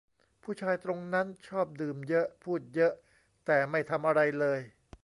ผู้ชายตรงนั้นชอบดื่มเยอะ พูดเยอะ แต่ไม่ทำอะไรเลย